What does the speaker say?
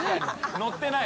笑ってない。